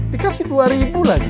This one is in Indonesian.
dikasih dua ribu lagi